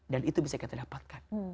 dan itu bisa kita dapatkan